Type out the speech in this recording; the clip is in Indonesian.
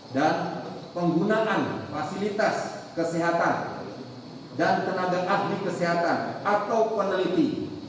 dan penggunaan fasilitas kesehatan dan tenaga ahli kesehatan atau peneliti